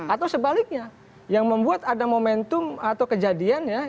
atau sebaliknya yang membuat ada momentum atau kejadian ya